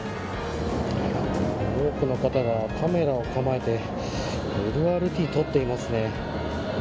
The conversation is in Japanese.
多くの方がカメラを構えてＬＲＴを撮っていますね。